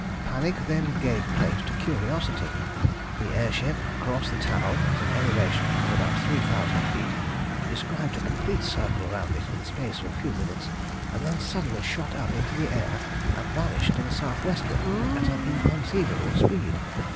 "Panic then gave place to curiosity. The air ship crossed the town at an elevation of about 3000 feet, described a complete circle round it in the space of a few minutes, and then suddenly shot up into the air and vanished to the south westward at an inconceivable speed.